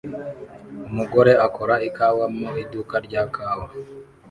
Umugore akora ikawa mu iduka rya kawa